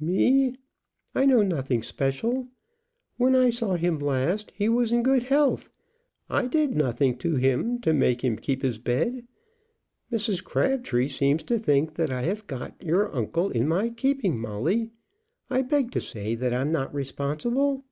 "Me! I know nothing special. When I saw him last he was in good health. I did nothing to him to make him keep his bed. Mrs. Crabtree seems to think that I have got your uncle in my keeping. Molly, I beg to say that I'm not responsible."